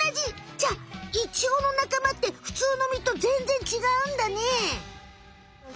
じゃあイチゴのなかまってふつうの実とぜんぜんちがうんだね。